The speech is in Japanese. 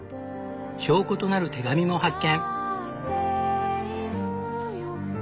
証拠となる手紙も発見！